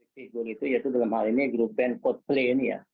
pigur itu yaitu dalam hal ini grup band codeplay ini ya